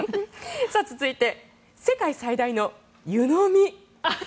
続いて世界最大の湯飲み。